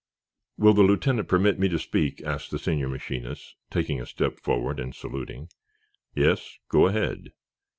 "Will the lieutenant permit me to speak?" asked the senior machinist, taking a step forward and saluting. "Yes; go ahead."